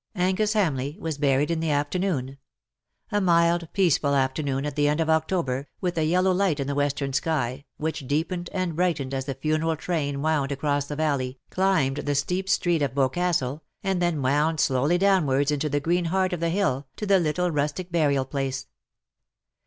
Angus Hamleigh was buried in the afternoon ; a mild, peaceful afternoon at the end of October, with a yellow light in the western sky, which deepened and brightened as the funeral train wound across the valley, climbed the steep street of Boscastle, and then wound slowly downwards into the green heart of the hill, to the little rustic burial place.